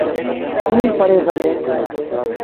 ائيٚݩ پڙهي سگھيٚن۔